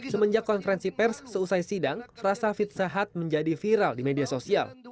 semenjak konferensi pers seusai sidang rasa fitza hat menjadi viral di media sosial